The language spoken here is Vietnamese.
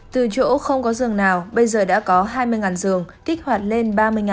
từ chỗ không có giường nào bây giờ đã có hai mươi giường kích hoạt lên ba mươi nhà